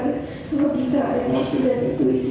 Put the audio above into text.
kemungkinan yang masih dan intuisi